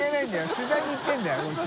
取材に行ってるんだよこいつ。